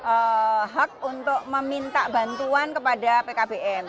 pembelajar punya hak untuk meminta bantuan kepada pkbm